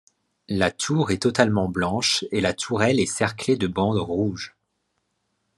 La tour est totalement blanche et la tourelle est cerclée de bandes rouges.